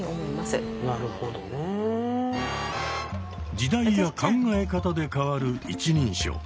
時代や考え方で変わる一人称。